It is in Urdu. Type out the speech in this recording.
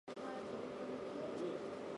یہ جو ریاست مدینہ کا آئے روز دعوی کرتے ہیں۔